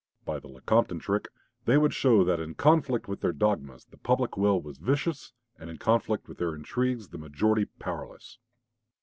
By the Lecompton trick they would show that in conflict with their dogmas the public will was vicious, and in conflict with their intrigues the majority powerless.